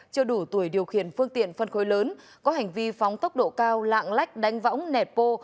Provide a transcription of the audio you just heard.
chưa đủ tuổi điều khiển phương tiện phân khối lớn có hành vi phóng tốc độ cao lạng lách đánh võng nẹt bô